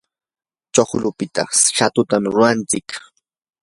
chuklupita shatutam rurantsik.